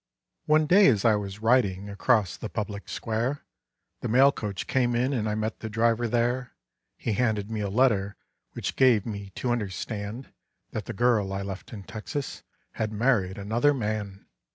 One day as I was riding across the public square The mail coach came in and I met the driver there; He handed me a letter which gave me to understand That the girl I left in Texas had married another man.